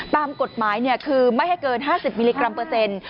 ตามกฎหมายคือไม่ให้เกิน๕๐มิลลิกรัมเปอร์เซ็นต์